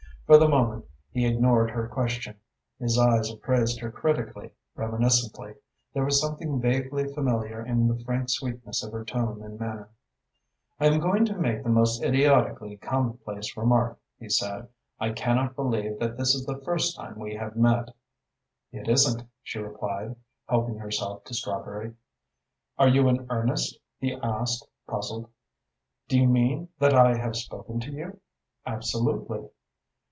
For the moment he ignored her question. His eyes appraised her critically, reminiscently. There was something vaguely familiar in the frank sweetness of her tone and manner. "I am going to make the most idiotically commonplace remark," he said. "I cannot believe that this is the first time we have met." "It isn't," she replied, helping herself to strawberry "Are you in earnest?" he asked, puzzled. "Do you mean that I have spoken to you?" "Absolutely!"